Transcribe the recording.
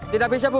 tidak bisa bu